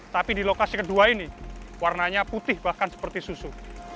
tapi di lokasi kedua ini warnanya putih bahkan seperti susu